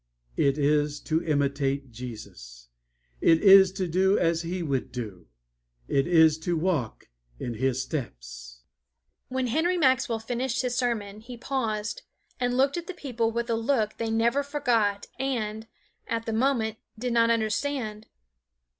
It is to imitate Jesus. It is to do as He would do. It is to walk in His steps." When Henry Maxwell finished his sermon, he paused and looked at the people with a look they never forgot and, at the moment, did not understand.